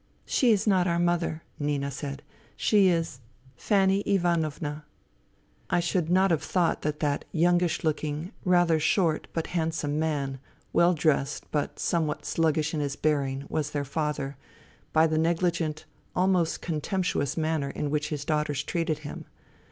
" She is not our mother," Nina said. " She is ... Fanny Ivanovna." I should not have thought that that youngish looking, rather short but handsome man, well dressed but somewhat sluggish in his bearing, was their father, by the negligent, almost contemptuous manner in which his daughters treated him.